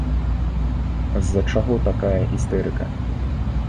З-за чаго такая істэрыка?